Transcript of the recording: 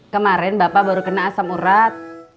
kemarin bapak baru kena asam urat